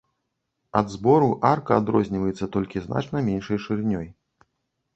Ад збору арка адрозніваецца толькі значна меншай шырынёй.